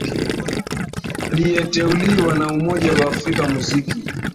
liyeteuliwa na umoja wa afrika muziki